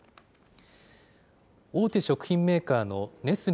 大手食品メーカーのネスレ